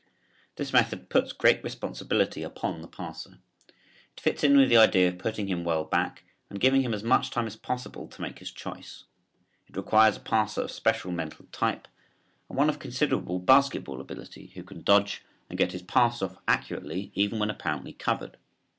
This method puts great responsibility upon the passer. It fits in with the idea of putting him well back and giving him as much time as possible to make his choice. It requires a passer of special mental type, and one of considerable basketball ability who can dodge and get his pass off accurately even when apparently covered.